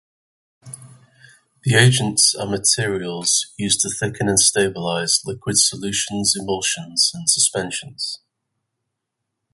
The agents are materials used to thicken and stabilize liquid solutions, emulsions, and suspensions.